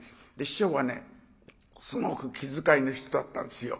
師匠はすごく気遣いの人だったんですよ。